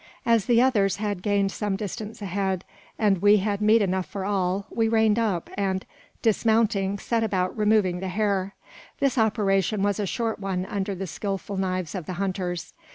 As the others had gained some distance ahead, and we had meat enough for all, we reined up, and, dismounting, set about "removing the hair." This operation was a short one under the skilful knives of the hunters.